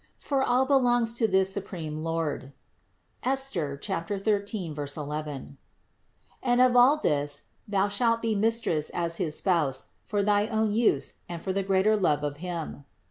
For all belongs to this supreme Lord (Esther 13, 11), and of all this thou shalt be mistress as his spouse for thy own use and for the greater love of Him.